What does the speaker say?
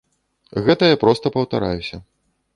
Гэта я проста паўтараюся.